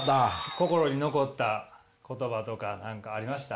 心に残った言葉とか何かありました？